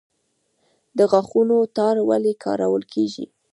د غاښونو تار ولې کارول کیږي؟